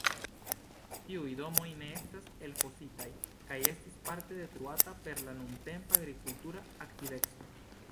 Tiuj domoj ne estas elfositaj kaj estis parte detruata per la nuntempa agrikultura aktiveco.